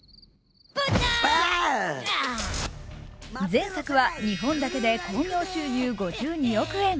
前作は日本だけで興行収入５２億円。